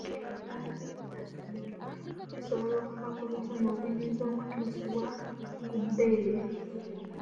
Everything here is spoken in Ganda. Ebbanyi eritasiigibwa lisobola okuva ku buvune obuyinza okutuusibwa ku bbeere.